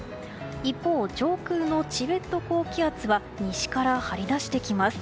一方、上空のチベット高気圧は西から張り出してきます。